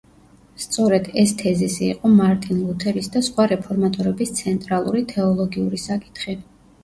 სწორედ ეს თეზისი იყო მარტინ ლუთერის და სხვა რეფორმატორების ცენტრალური თეოლოგიური საკითხი.